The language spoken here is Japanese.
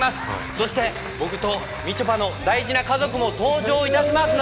そして僕とみちょぱの大事な家族も登場いたします。